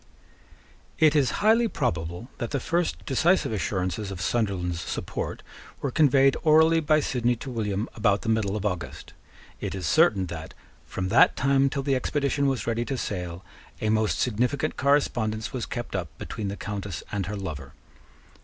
It is highly probable that the first decisive assurances of Sunderland's support were conveyed orally by Sidney to William about the middle of August. It is certain that, from that time till the expedition was ready to sail, a most significant correspondence was kept up between the Countess and her lover.